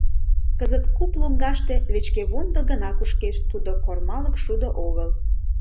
Кызыт куп лоҥгаште лӧчкевондо гына кушкеш, тудо кормалык шудо огыл.